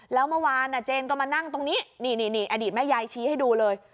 แล้วเมื่อวานเจนก็มานั่งตรงนี้นี่อดีตแม่ยายชี้ให้ดูเลย